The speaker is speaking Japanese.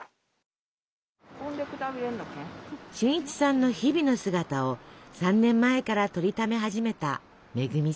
俊一さんの日々の姿を３年前から撮りため始めた恵さん。